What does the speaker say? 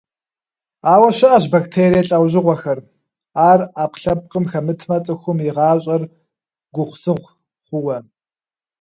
Ауэ щыӏэщ бактерие лӏэужьыгъуэхэр, ар ӏэпкълъэпкъым хэмытмэ цӏыхум и гъащӏэр гугъусыгъу хъууэ.